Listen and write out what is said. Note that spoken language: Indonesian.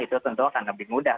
itu tentu akan lebih mudah